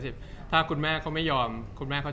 จากความไม่เข้าจันทร์ของผู้ใหญ่ของพ่อกับแม่